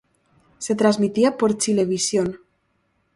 Se transmitía por Chilevisión.